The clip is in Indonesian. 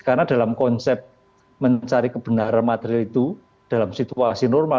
karena dalam konsep mencari kebenaran material itu dalam situasi normal